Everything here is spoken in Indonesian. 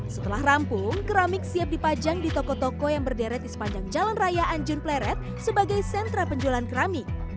setelah rampung keramik siap dipajang di toko toko yang berderet di sepanjang jalan raya anjun pleret sebagai sentra penjualan keramik